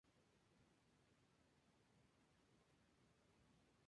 El último ataque llevado a cabo sobre Roma fue el de los sabinos.